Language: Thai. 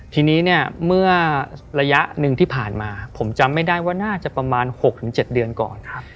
ทีนี้เนี่ยเมื่อระยะหนึ่งที่ผ่านมาผมจำไม่ได้ว่าน่าจะประมาณ๖๗เดือนก่อน